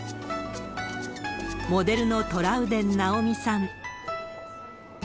モデルのトラウデン直美さん。